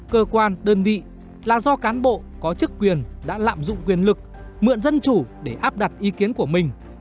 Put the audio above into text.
cơ quan đơn vị là do cán bộ có chức quyền đã lạm dụng quyền lực mượn dân chủ để áp đặt ý kiến của mình